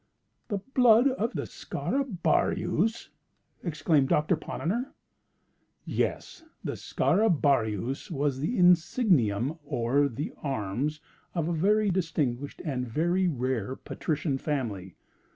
"The blood of the Scarabaeus!" exclaimed Doctor Ponnonner. "Yes. The Scarabaeus was the insignium or the 'arms,' of a very distinguished and very rare patrician family.